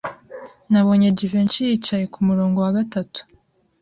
Nabonye Jivency yicaye kumurongo wa gatatu.